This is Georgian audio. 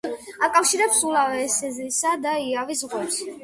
აკავშირებს სულავესისა და იავის ზღვებს.